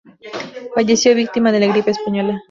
Falleció víctima de la gripe española.